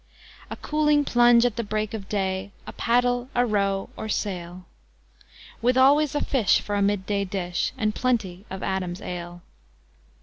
A cooling plunge at the break of day, A paddle, a row, or sail, With always a fish for a mid day dish, And plenty of Adam's ale.